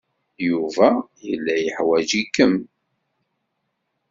Yuba yella yeḥwaj-ikem.